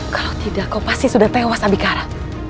kalau tidak kau pasti sudah tewas abikara